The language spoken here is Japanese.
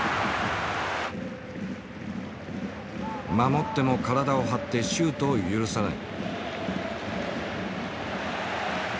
守っても体を張ってシュートを許さない。